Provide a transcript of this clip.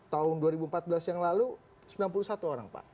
tahun dua ribu empat belas yang lalu sembilan puluh satu orang pak